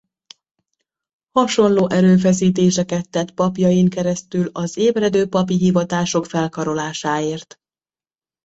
Hasonló erőfeszítéseket tett papjain keresztül az ébredő papi hivatások felkarolásáért.